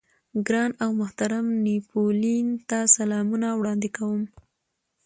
ګران او محترم نيپولېين ته سلامونه وړاندې کوم.